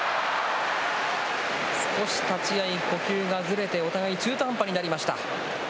少し立ち合い、呼吸がずれてお互い中途半端になりました。